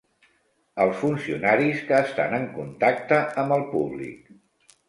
Els funcionaris que estan en contacte amb el públic.